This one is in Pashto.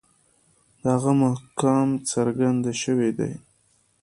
د هغه مقام څرګند شوی دی.